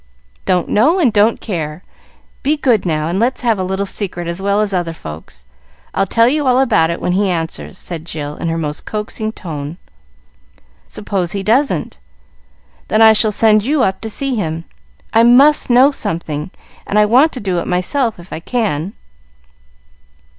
"Don't know, and don't care! Be good, now, and let's have a little secret as well as other folks. I'll tell you all about it when he answers," said Jill in her most coaxing tone. "Suppose he doesn't?" "Then I shall send you up to see him. I must know something, and I want to do it myself, if I can."